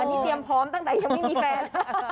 อันนี้เตรียมพร้อมตั้งแต่ยังไม่มีแฟน